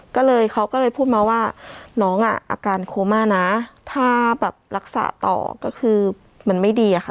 ก็เลยเขาก็เลยพูดมาว่าน้องอ่ะอาการโคม่านะถ้าแบบรักษาต่อก็คือมันไม่ดีอะค่ะ